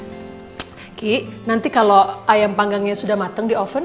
kiki nanti kalau ayam panggangnya sudah mateng di oven